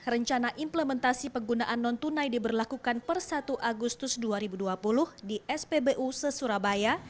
rencana implementasi penggunaan non tunai diberlakukan per satu agustus dua ribu dua puluh di spbu se surabaya